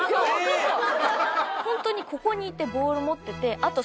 本当にここにいてボール持っててあと。